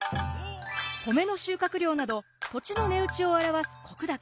米の収穫量など土地の値打ちを表す石高。